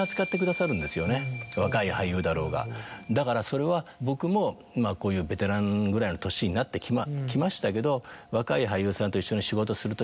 若い俳優だろうがだからそれは僕もこういうベテランぐらいの年になってきましたけど。